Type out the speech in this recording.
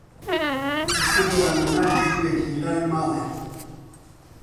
خستبوویانە ناو ژوورێکی لای ماڵێ